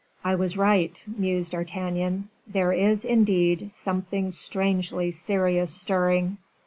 "I was right," mused D'Artagnan; "there is, indeed, something strangely serious stirring."